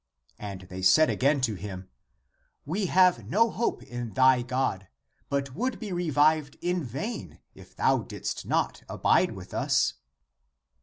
And they said again to him, " We have no hope in thy God, but would be revived in vain, if thou didst not abide with us."